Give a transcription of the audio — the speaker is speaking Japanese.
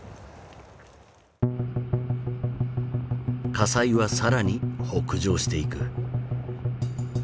火災は更に北上していく。